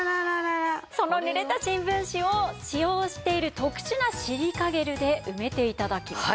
そのぬれた新聞紙を使用している特殊なシリカゲルで埋めて頂きます。